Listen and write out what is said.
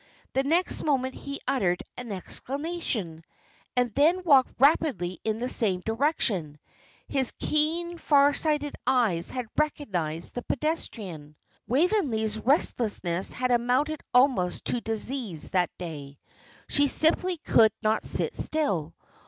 The next moment he uttered an exclamation, and then walked rapidly in the same direction; his keen, far sighted eyes had recognised the pedestrian. Waveney's restlessness had amounted almost to disease that day; she simply could not sit still.